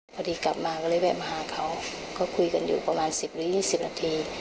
พอดีกลับมาก็เลยแวะมาหาเขาก็คุยกันอยู่ประมาณ๑๐หรือ๒๐นาที